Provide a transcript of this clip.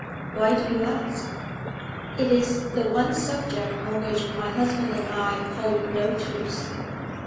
Why do you ask?' 'It is the one subject on which my husband and I hold no truce.